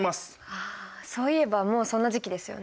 ああそういえばもうそんな時期ですよね。